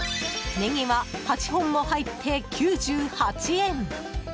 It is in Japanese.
ネギは８本も入って、９８円。